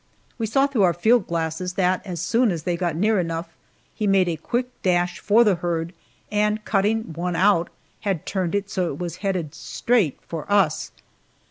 We saw through our field glasses that as soon as they got near enough he made a quick dash for the herd, and cutting one out, had turned it so it was headed straight for us.